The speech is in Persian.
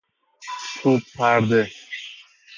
چوب پرده